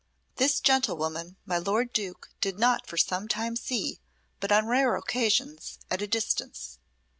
This gentlewoman my lord Duke did not for some time see but on rare occasions, at a distance.